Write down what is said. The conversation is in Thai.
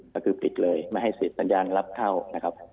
ก็คือปิดเลยไม่ให้เสร็จสัญญาณรับเข้านะครับ